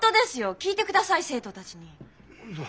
聞いてください生徒たちに。